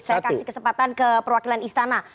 saya kasih kesempatan ke perwakilan istana